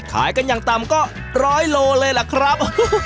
ขายกันอย่างต่ำก็๑๐๐โลเลยล่ะครับ